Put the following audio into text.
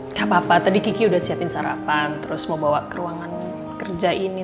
nggak apa apa tadi kiki sudah siapin sarapan terus mau bawa ke ruangan kerja ini